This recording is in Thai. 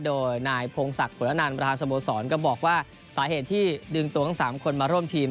โดยนายพงศักดิ์ผลนันประธานสโมสรก็บอกว่าสาเหตุที่ดึงตัวทั้ง๓คนมาร่วมทีม